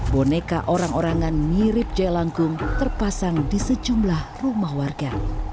boneka orang orangan mirip jaya langkung terpasang di sejumlah rumah warga